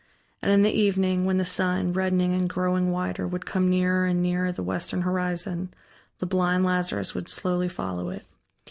And in the evening, when the sun, reddening and growing wider, would come nearer and nearer the western horizon, the blind Lazarus would slowly follow it.